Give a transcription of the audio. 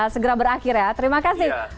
segera berakhir ya terima kasih